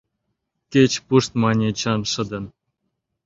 — Кеч пушт! — мане Эчан шыдын.